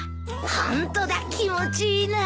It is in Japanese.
ホントだ気持ちいいなぁ。